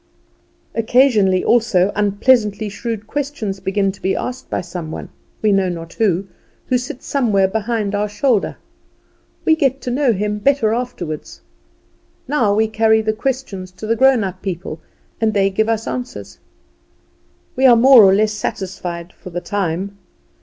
Occasionally, also, unpleasantly shrewd questions begin to be asked by some one, we know not who, who sits somewhere behind our shoulder. We get to know him better afterward. Now we carry the questions to the grown up people, and they give us answers. We are more or less satisfied for the time.